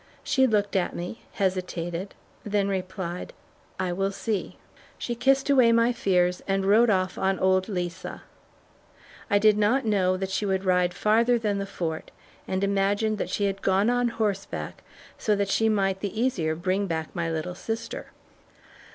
She looked at me, hesitated, then replied, "I will see." She kissed away my fears and rode off on old Lisa. I did not know that she would ride farther than the fort and imagined she had gone on horseback so that she might the easier bring back my little sister.